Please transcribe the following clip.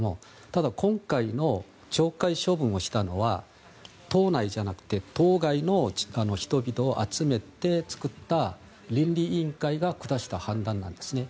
ただ、今回の懲戒処分をしたのは党内じゃなくて党外の人々を、集めて作った倫理委員会が下した判断なんですね。